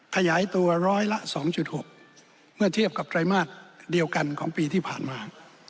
ขยายตัวร้อยละ๒๖เมื่อเทียบกับไตรมาสเดียวกันของปีที่ผ่านมา